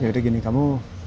yaudah gini kamu